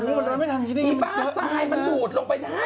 เยี่ยมมากแสดมันถูกทับลงไปได้